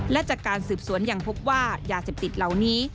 และจากการสืบสวนยังพบว่ายาเสพติดเหล่านี้